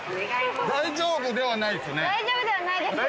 大丈夫ではないですけど。